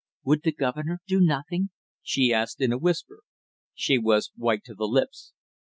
"Would the governor do nothing?" she asked in a whisper. She was white to the lips.